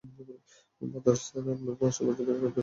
Batra sir, আমি আপনার সাথে দেখা করতেই আসছিলাম।